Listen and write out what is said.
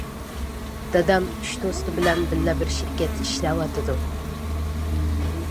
دادام ئۈچ دوستى بىلەن بىللە بىر شىركەتتە ئىشلەۋاتىدۇ.